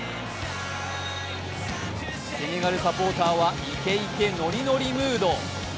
セネガルサポーターはイケイケノリノリムード。